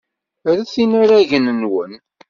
Ret inaragen-nwen.